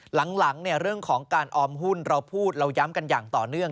หลังเรื่องของการออมหุ้นเราพูดเราย้ำกันอย่างต่อเนื่อง